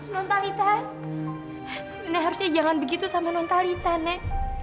nontalita nenek harusnya jangan begitu sama nontalita nek